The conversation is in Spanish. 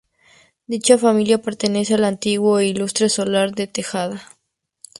Dicha familia pertenece al Antiguo e Ilustre Solar de Tejada.